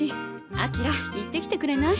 明行ってきてくれない？